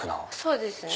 そうですね。